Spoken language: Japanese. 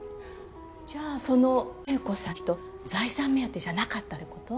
じゃあその鮎子さんって人財産目当てじゃなかったってこと？